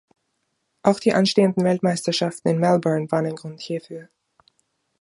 Auch die anstehenden Weltmeisterschaften in Melbourne waren ein Grund hierfür.